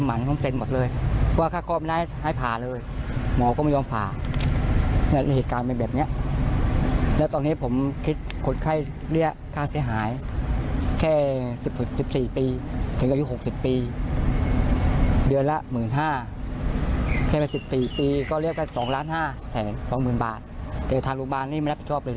แต่ถ้ารุงบานนี้ไม่รับผิดชอบเลยเลยตอนนี้